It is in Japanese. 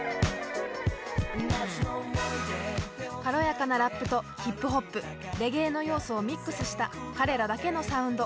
軽やかなラップとヒップホップレゲエの要素をミックスした彼らだけのサウンド。